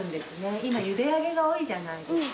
今ゆで上げが多いじゃないですか。